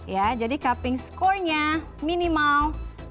ya jadi cupping score nya minimal delapan puluh